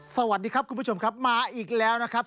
สวัสดีครับคุณผู้ชมครับมาอีกแล้วนะครับ